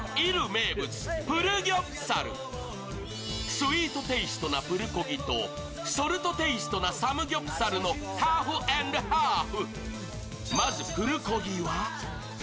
スイートテイストなプルコギとソルトテイストなサムギョプサルのハーフ＆ハーフ。